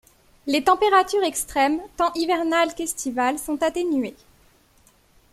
Les températures extrêmes tant hivernales qu'estivales sont atténuées.